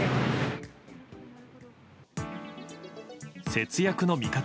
節約の味方